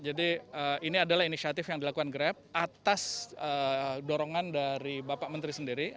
jadi ini adalah inisiatif yang dilakukan grab atas dorongan dari bapak menteri sendiri